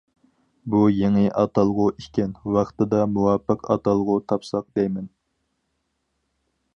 بۇ يېڭى ئاتالغۇ ئىكەن ۋاقتىدا مۇۋاپىق ئاتالغۇ تاپساق دەيمەن.